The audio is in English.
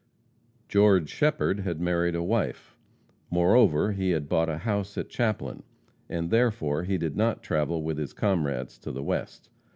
George Shepherd had married a wife moreover, he had bought a house at Chaplin and therefore he did not travel with his comrades to the West.